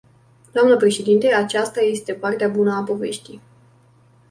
Dnă președintă, aceasta este partea bună a poveștii.